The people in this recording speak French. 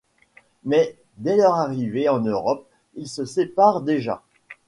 Mais dès leur arrivée en Europe, ils se séparent déjà.